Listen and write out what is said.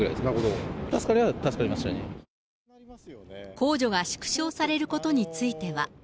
控除が縮小されることについては。